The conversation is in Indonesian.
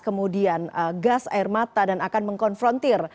kemudian gas air mata dan akan mengkonfrontir